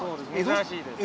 珍しいです。